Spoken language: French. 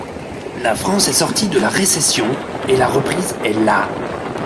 La France est sortie de la récession, et la reprise est là